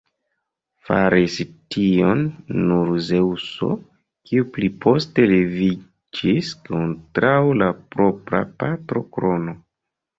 Faris tion nur Zeŭso, kiu pli poste leviĝis kontraŭ la propra patro Krono.